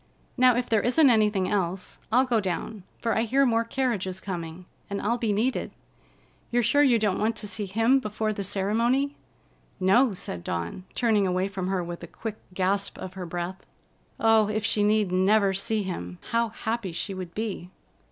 Now, if there isn't anything else, I'll go down, for I hear more carriages coming, and I'll be needed. You're sure you don't want to see him before the ceremony." "No," said Dawn, turning away from her with a quick gasp of her breath. Oh, if she need never see him, how happy she would be!